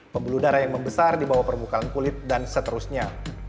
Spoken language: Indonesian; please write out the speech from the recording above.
pembuluh darah yang membesar di bawah permukaan kulit dan seterusnya